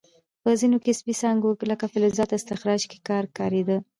په ځینو کسبي څانګو لکه فلزاتو استخراج کې کار کیده.